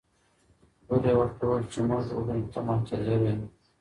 لور یې ورته وویل چې موږ ډوډۍ ته منتظره یو.